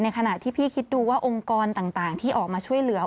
ขณะที่พี่คิดดูว่าองค์กรต่างที่ออกมาช่วยเหลือ